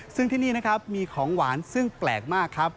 ซึ่งที่นี่นะครับมีของหวานซึ่งแปลกมากครับ